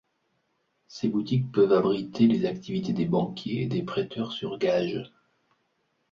Ces boutiques peuvent abriter les activités des banquiers et des prêteurs sur gage.